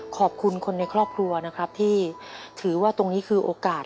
ขอบคุณคนในครอบครัวนะครับที่ถือว่าตรงนี้คือโอกาส